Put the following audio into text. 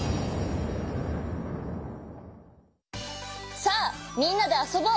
さあみんなであそぼう！